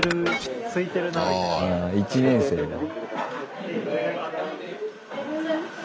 １年生だ。